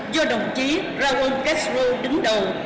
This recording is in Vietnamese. do đồng chí raúl castro đứng đầu